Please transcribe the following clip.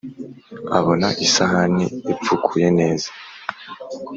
Abona isahani ipfukuye neza,